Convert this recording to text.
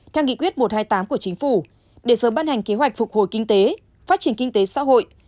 theo nghị quyết một trăm hai mươi tám của chính phủ để sớm ban hành kế hoạch phục hồi kinh tế phát triển kinh tế xã hội